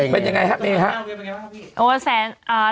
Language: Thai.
เป็นยังไงครับเมย์ครับ